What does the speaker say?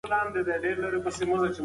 انا هره شپه د خپل تنګ زړه له امله وژړل.